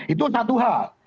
itu satu hal